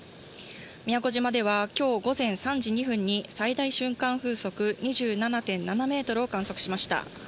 宮古島では、きょう午前３時２分に最大瞬間風速２７．７メートルを観測しました。